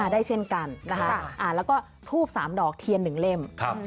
ได้เช่นกันนะคะแล้วก็ทูบ๓ดอกเทียน๑เล่ม